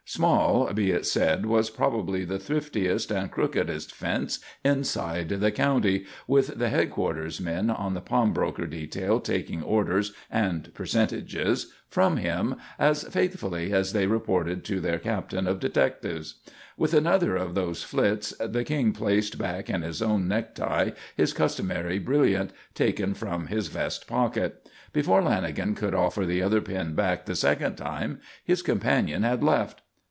Small, be it said, was probably the thriftiest and crookedest fence inside the county, with the headquarters men on the pawnbroker detail taking orders and percentages from him, as faithfully as they reported to their captain of detectives. With another of those flits, the King placed back in his own necktie his customary brilliant, taken from his vest pocket. Before Lanagan could offer the other pin back the second time, his companion had left.